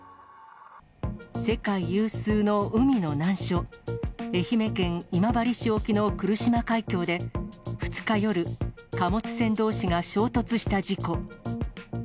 世界有数の海の難所、愛媛県今治市沖の来島海峡で、２日夜、貨物船どうしが衝突した事故。